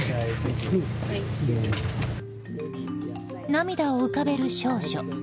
涙を浮かべる少女。